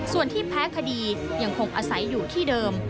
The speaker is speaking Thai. ส่วนที่แพ้คดียังคงอาศัยอยู่ที่เดิม